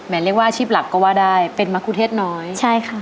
เรียกว่าอาชีพหลักก็ว่าได้เป็นมะคุเทศน้อยใช่ค่ะ